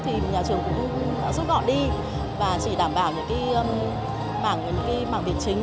thì nhà trường cũng giúp họ đi và chỉ đảm bảo những mảng việc chính